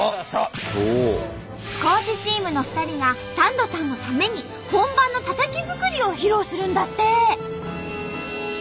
高知チームの２人がサンドさんのために本場のタタキ作りを披露するんだって！